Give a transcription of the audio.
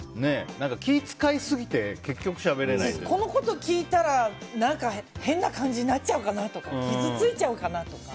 気を使いすぎてこのこと聞いたら変な感じになっちゃうかなとか傷ついちゃうかなとか。